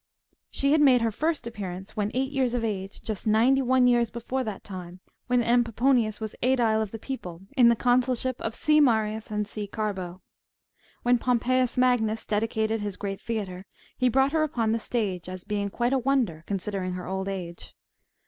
^^ She had made her first appearance when eight years of age, just ninety one years before that time, when M. Pomponius was aedile of the people, in the consulship of C. Marius and Cn. Carbo." When Pompeius Magnus dedicated his great theatre, he brought her upon the stage, as being quite a wonder, considering her old age.